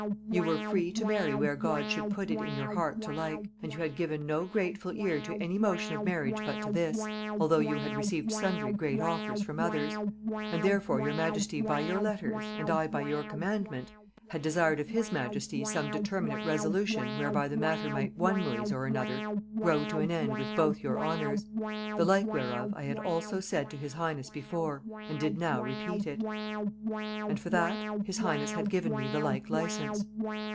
Ye were free to marry where God should put it in your heart to like; and you had given no grateful ear to any motion of marriage but to this, although you had received sundry great offers from others; and therefore your majesty by your letters, and I by your commandment, had desired of his majesty some determinate resolution whereby the matter might one ways or another grow to an end with both your honors; the like whereof I had also said to his highness before, and did now repeat it. And for that his highness had given me the like licence.